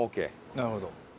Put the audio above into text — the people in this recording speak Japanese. なるほど。